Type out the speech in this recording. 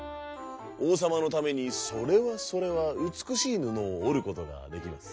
おうさまのためにそれはそれはうつくしいぬのをおることができます」。